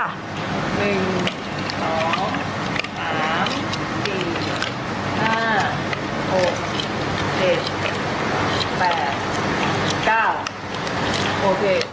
หนึ่งสองสามสี่ห้าหกเจ็ดแปดเก้าโอเค